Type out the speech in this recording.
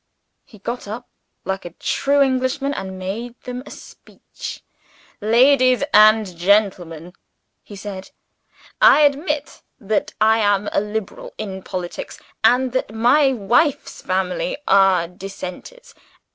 He got up, like a true Englishman, and made them a speech. "Ladies and gentlemen," he said, "I admit that I am a Liberal in politics, and that my wife's family are Dissenters.